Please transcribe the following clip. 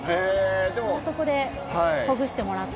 そこでほぐしてもらって。